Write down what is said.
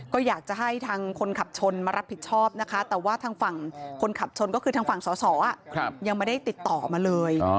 ก็อยากจะให้ทางคนขับชนมารับผิดชอบนะคะแต่ว่าทางฝั่งคนขับชนก็คือทางฝั่งสอสอยังไม่ได้ติดต่อมาเลย